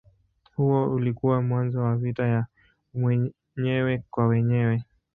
Huo ulikuwa mwanzo wa vita ya wenyewe kwa wenyewe.